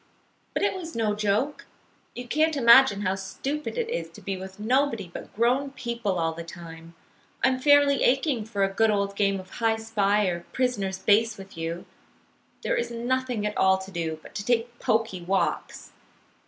But it was no joke. You can't imagine how stupid it is to be with nobody but grown people all the time. I'm fairly aching for a good old game of hi spy or prisoner's base with you. There is nothing at all to do, but to take poky walks.